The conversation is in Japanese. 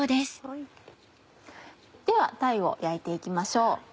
では鯛を焼いて行きましょう。